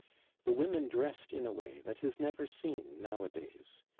The women dressed in a way that is never seen nowadays.